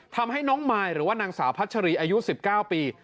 ทำให้น้องมายหรือว่านางสาวพัชรีอายุ๑๙ปี